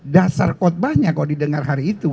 dasar khutbahnya kalau didengar hari itu